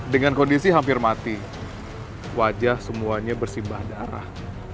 dengan kondisi hampir mati wajah semuanya bersimbah darah